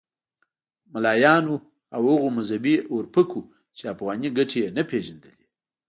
ملایانو او هغو مذهبي اورپکو چې افغاني ګټې یې نه پېژندلې.